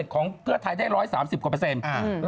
ของเพื่อไทยได้๑๓๐กว่าเปอร์เซ็นต์